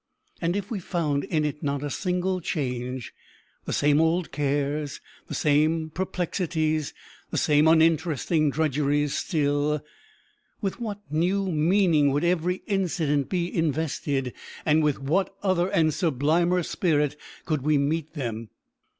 and if we found in it not a single change, the same old cares, the same perplexities, the same uninteresting drudgeries still, with what new meaning would every incident be invested! and with what other and sublimer spirit could we meet them?